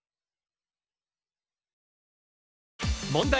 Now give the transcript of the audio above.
問題。